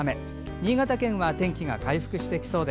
新潟県は天気が回復してきそう。